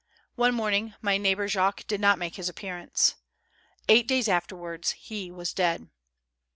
One morning my neighbor Jacques did not make his appearance. Eight days afterwards, he was dead.